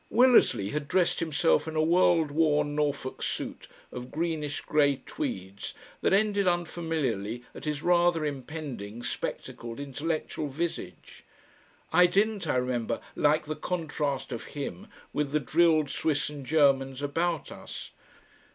Willersley had dressed himself in a world worn Norfolk suit of greenish grey tweeds that ended unfamiliarly at his rather impending, spectacled, intellectual visage. I didn't, I remember, like the contrast of him with the drilled Swiss and Germans about us.